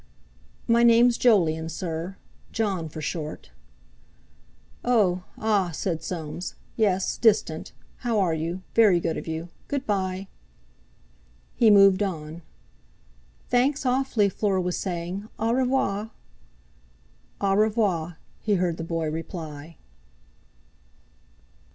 "My name's Jolyon, sir. Jon, for short." "Oh! Ah!" said Soames. "Yes. Distant. How are you? Very good of you. Good bye!" He moved on. "Thanks awfully," Fleur was saying. "Au revoir!" "Au revoir!" he heard the boy reply.